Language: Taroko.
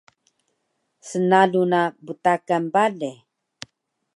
snalu na btakan bale